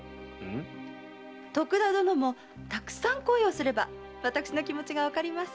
徳田殿もたくさん恋をすれば私の気持ちがわかります。